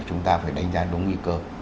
chúng ta phải đánh giá đúng nguy cơ